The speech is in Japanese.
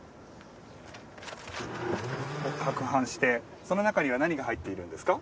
かくはんして、その中には何が入っているんですか？